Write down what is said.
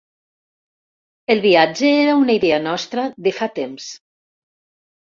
El viatge era una idea nostra de fa temps.